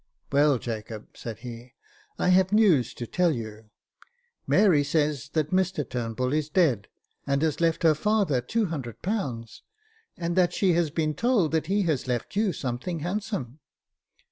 "Well, Jacob," said he, I have news to tell you. Mary says that Mr Turnbull is dead, and has left her father ;^2oo, and that she has been told that he has left you something handsome."